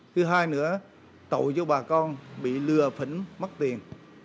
thứ hai nữa tội cho bà con bị lừa phỉnh mất tiền